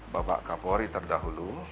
bapak kapolri terdahulu